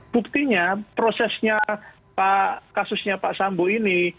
buktinya prosesnya kasusnya pak sambo ini